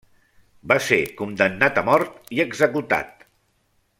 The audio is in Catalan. Va ser condemnat a mort i executat.